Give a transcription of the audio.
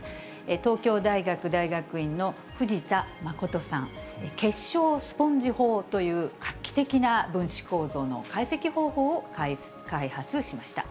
東京大学大学院の藤田誠さん、結晶スポンジ法という画期的な分子構造の解析方法を開発しました。